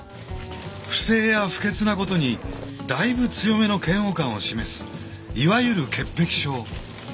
不正や不潔なことにだいぶ強めの嫌悪感を示すいわゆる潔癖症。